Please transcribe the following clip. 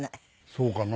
そうかな？